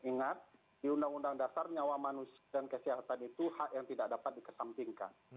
ingat di undang undang dasar nyawa manusia dan kesehatan itu hak yang tidak dapat dikesampingkan